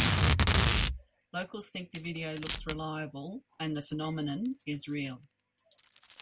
Locals think the video looks reliable, and the phenomenon is real.